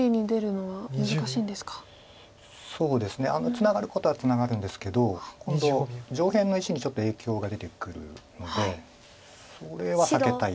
ツナがることはツナがるんですけど今度上辺の石にちょっと影響が出てくるのでそれは避けたい。